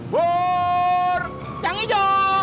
bur cang ijo